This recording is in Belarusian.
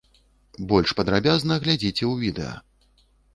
Больш падрабязна глядзіце ў відэа.